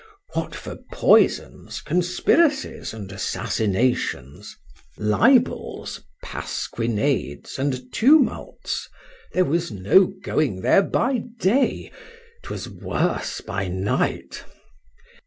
What for poisons, conspiracies, and assassinations,—libels, pasquinades, and tumults, there was no going there by day—'twas worse by night.